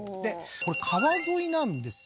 これ川沿いなんですよ